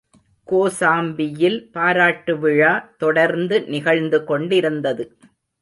கோசாம்பியில் பாராட்டு விழா தொடர்ந்து நிகழ்ந்து கொண்டிருந்தது.